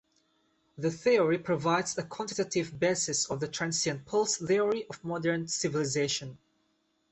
The theory provides a quantitative basis of the transient-pulse-theory of modern civilization.